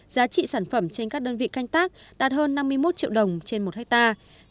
giá trị sản phẩm trên các đơn vị canh tác đạt hơn năm mươi một triệu đồng trên một hectare